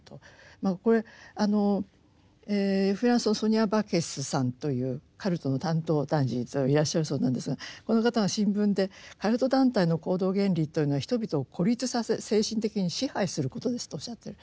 これフランスのソニア・バケスさんというカルトの担当大臣いらっしゃるそうなんですがこの方が新聞で「カルト団体の行動原理というのは人々を孤立させ精神的に支配することです」とおっしゃってる。